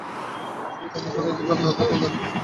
সুবিধামত নিজেকে এবং অন্যকে ভোলাই।